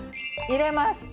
入れます！